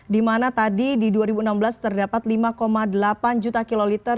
di mana tadi di dua ribu enam belas terdapat lima delapan juta kiloliter